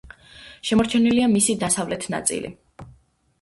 შემორჩენილია მისი დასავლეთ ნაწილი.